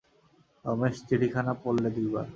রমেন চিঠিখানা পড়লে দুইবার।